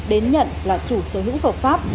đến nhận là chủ sở hữu hợp pháp